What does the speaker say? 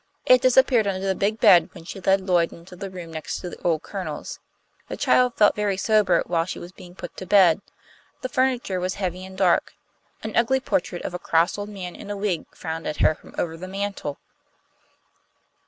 It disappeared under the big bed when she led Lloyd into the room next the old Colonel's. The child felt very sober while she was being put to bed. The furniture was heavy and dark. An ugly portrait of a cross old man in a wig frowned at her from over the mantel.